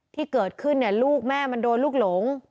ที่เกิดขึ้นลูกแม่มันโดนลูกหลง